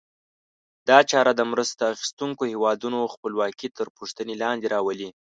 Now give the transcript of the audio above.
دا چاره د مرسته اخیستونکو هېوادونو خپلواکي تر پوښتنې لاندې راولي.